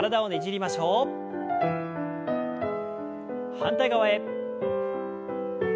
反対側へ。